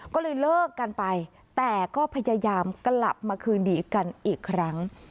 ก็เลยเลิกกันไปแต่ก็พยายามกลับมาคืนดีกันอีกครั้ง